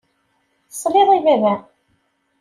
Tesliḍ i baba-m.